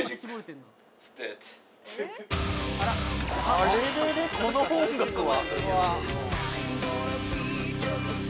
あれれれこの音楽は？